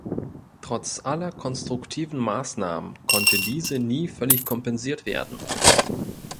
Trotz aller konstruktiven Maßnahmen konnte diese nie völlig kompensiert werden.